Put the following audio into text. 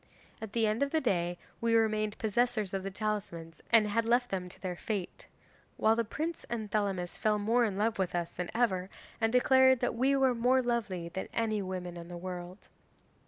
At the end of the day we remained possessors of the talismans and had left them to their fate, while the prince and Thelamis fell more in love with us than ever, and declared that we were more lovely than any women in the world.